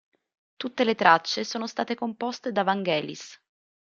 Tutte le tracce sono state composte da Vangelis.